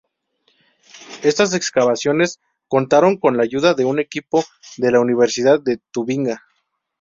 Estas excavaciones contaron con la ayuda de un equipo de la Universidad de Tubinga.